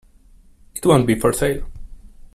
It won't be for sale.